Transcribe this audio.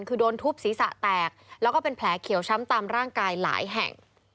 คือโดนทุบศีรษะแตกแล้วก็เป็นแผลเขียวช้ำตามร่างกายหลายแห่ง